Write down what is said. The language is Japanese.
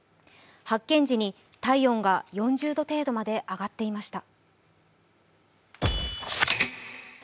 発見時に体温が４０度程度まで上がっていました。